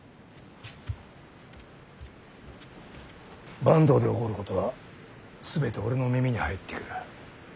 坂東で起こることは全て俺の耳に入ってくる。